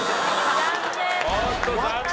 残念。